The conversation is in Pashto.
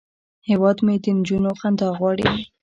هیواد مې د نجونو خندا غواړي